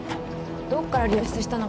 どっから流出したのか